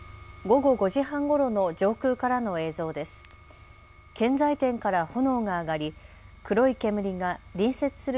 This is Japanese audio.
午後５時半ごろの上空からの映像です。